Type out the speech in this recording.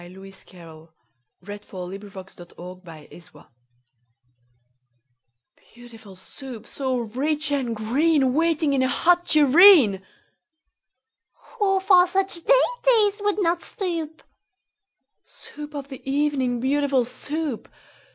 ] Lewis Carroll Beautiful Soup BEAUTIFUL Soup, so rich and green, Waiting in a hot tureen! Who for such dainties would not stoop? Soup of the evening, beautiful Soup!